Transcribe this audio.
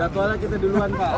jadwalnya kita duluan pak